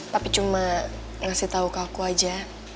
papi cuma ngasih tau ke aku aja